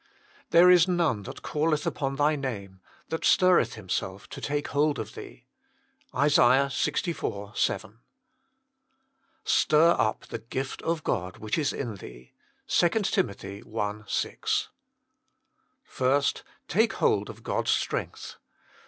"There is none that calleth upon Thy name, that stirreth himself to take hold of Thee." ISA. Ixiv. 7. "Stir up the gift of God which is in thee." 2 TIM. i. 6. First, take hold of God s strength.